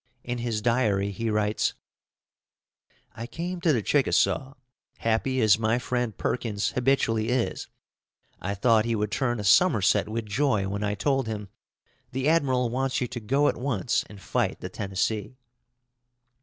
In his diary he writes: "I came to the Chickasaw; happy as my friend Perkins habitually is, I thought he would turn a somerset with joy, when I told him, 'The admiral wants you to go at once and fight the Tennessee.'"